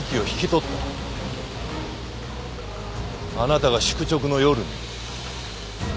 あなたが宿直の夜に。